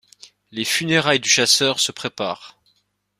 Les funérailles du chasseur se préparent.